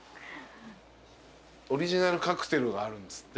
オリジナルカクテルがあるんですって。